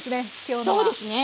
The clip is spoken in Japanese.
そうですね。